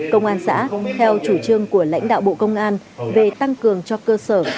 công an xã theo chủ trương của lãnh đạo bộ công an về tăng cường cho cơ sở